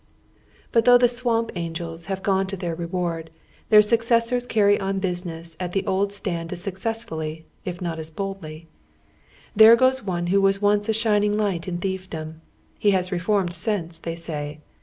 But though the "Swamp Angels" have gone to their reward, their successors carry on business at the old stand as successfully, if not as holdiy. Tiiere goes one who was once a shinuig light in thiefdom. lie has reformed since, they say.